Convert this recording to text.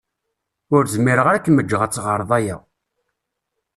Ur zmireɣ ara ad kem-ǧǧeɣ ad teɣreḍ aya.